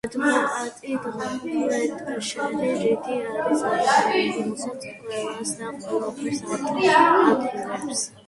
ადვოკატი ფლეტჩერ რიდი არის ადამიანი, რომელიც ყველას და ყველაფერს ატყუებს.